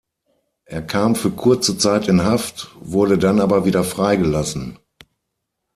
Er kam für kurze Zeit in Haft, wurde dann aber wieder freigelassen.